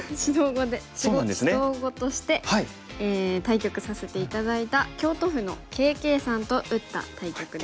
指導碁として対局させて頂いた京都府のＫ．Ｋさんと打った対局です。